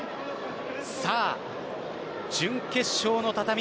さあ、準決勝の畳。